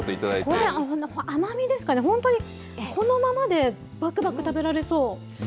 これ、甘みですかね、本当にこのままでぱくぱく食べられそう。